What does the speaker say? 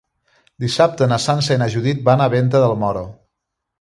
Dissabte na Sança i na Judit van a Venta del Moro.